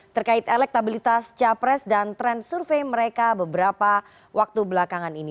terkait elektabilitas capres dan tren survei mereka beberapa waktu belakangan ini